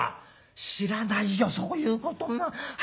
「知らないよそういうことは。